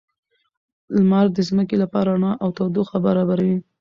لمر د ځمکې لپاره رڼا او تودوخه برابروي